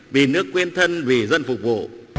vì nước quên thân vì dân phục vụ